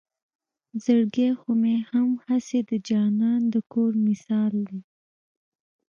زړګے خو مې هم هسې د جانان د کور مثال دے